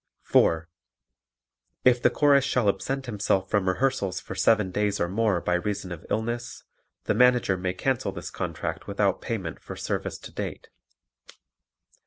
4. If the Chorus shall absent himself from rehearsals for seven days or more by reason of illness, the Manager may cancel this contract without payment for service to date.